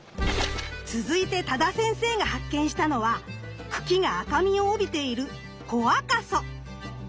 続いて多田先生が発見したのは茎が赤みを帯びているコアカソ。